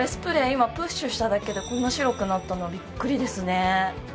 今プッシュしただけでこんな白くなったのはびっくりですね。